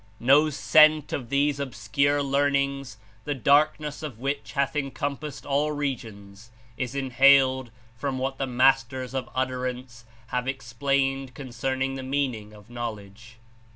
No scent of these obscure learnings, the darkness of which hath encompassed all regions. Is Inhaled from what the Masters of Utter ance have explained concerning the meaning of Knowl edge.